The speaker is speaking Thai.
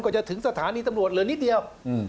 จะถึงสถานีตำรวจเหลือนิดเดียว